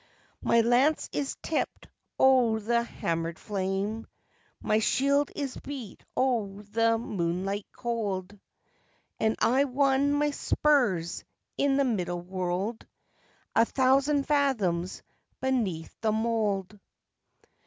"My lance is tipped o' the hammered flame, My shield is beat o' the moonlight cold; And I won my spurs in the Middle World, A thousand fathoms beneath the mould.